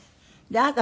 あなた